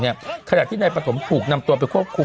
ขนาดที่ในประสงค์ถูกนำตัวไปควบคุม